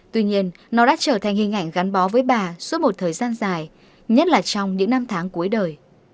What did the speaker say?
tuy nhiên nó đã trở thành hình ảnh gắn bó với bà suốt một thời gian dài nhất là trong những năm tháng cuối đời